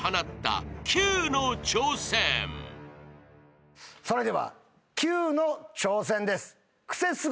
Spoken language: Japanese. それではキュウの挑戦です。